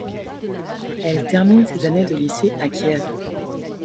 Elle termine ses années de lycée à Kiev.